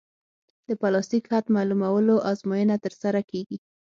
د پلاستیک حد معلومولو ازموینه ترسره کیږي